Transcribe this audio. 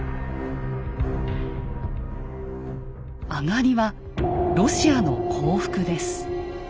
上りは「ロシアの降伏」です。